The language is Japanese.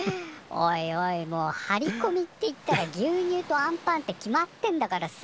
おいおいもう張りこみっていったら牛乳とあんパンって決まってんだからさ